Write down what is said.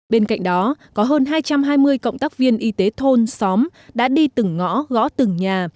bên cạnh đó có hơn hai trăm hai mươi cộng tác viên y tế thôn xóm đã đi từng ngõ gõ từng nhà